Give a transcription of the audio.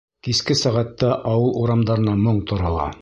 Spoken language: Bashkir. Киске сәғәттә ауыл урамдарына моң тарала.